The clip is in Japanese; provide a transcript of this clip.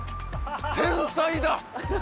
天才だ！